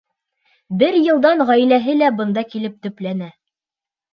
Бер йылдан ғаиләһе лә бында килеп төпләнә.